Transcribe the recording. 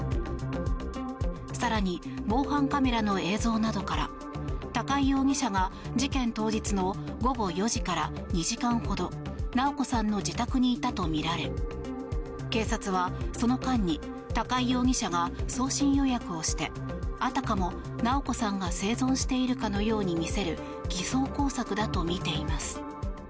更に、防犯カメラの映像などから高井容疑者が事件当日の午後４時から２時間ほど直子さんの自宅にいたとみられ警察は、その間に高井容疑者が送信予約をしてあたかも直子さんが生存しているかのように見せる偽装工作だとみています。